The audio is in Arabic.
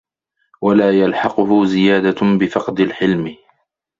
وَلَا يَلْحَقُهُ زِيَادَةٌ بِفَقْدِ الْحِلْمِ